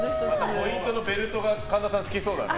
ポイントのベルトが神田さん好きそうだね。